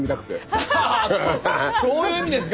ああそういう意味ですか。